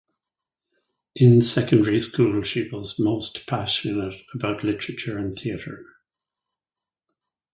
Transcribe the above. In secondary school she was most passionate about literature and theater.